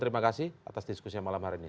terima kasih atas diskusinya malam hari ini